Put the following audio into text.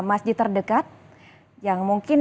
masjid terdekat yang mungkin